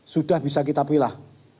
sudah bisa kita pilih